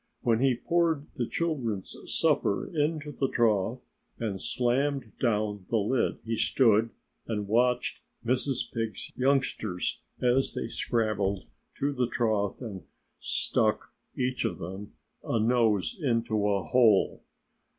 When he poured the children's supper into the trough and slammed down the lid he stood and watched Mrs. Pig's youngsters as they scrambled to the trough and stuck each of them a nose into a hole.